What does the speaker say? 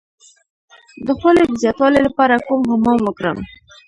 د خولې د زیاتوالي لپاره کوم حمام وکړم؟